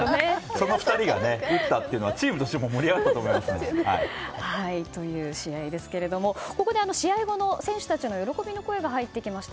その２人が打ったというのはチームとしても盛り上がったとという試合でしたがここで試合後の選手たちの喜びの声が入ってきました。